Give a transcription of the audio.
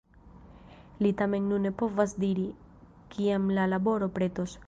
Li tamen nun ne povas diri, kiam la laboro pretos.